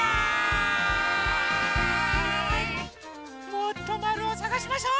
もっとまるをさがしましょう！